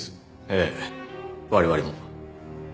ええ我々も。